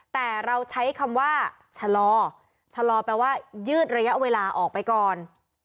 แต่เราใช้คำว่าชะลอชะลอแปลว่ายืดระยะเวลาออกไปก่อน